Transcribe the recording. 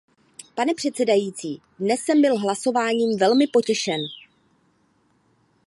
Pane předsedající, dnes jsem byl hlasováním velmi potěšen.